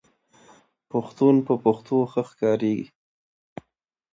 پښتون په پښتو ښه ښکاریږي